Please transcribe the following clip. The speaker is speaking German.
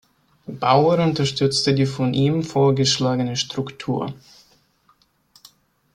Bauer unterstützte die von ihm vorgeschlagene Struktur.